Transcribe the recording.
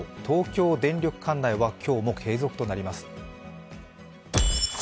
東京電力管内は今日も継続となります。